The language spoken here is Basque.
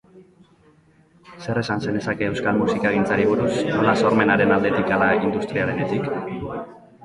Zer esan zenezake euskal musikagintzari buruz, nola sormenaren aldetik hala industriarenetik?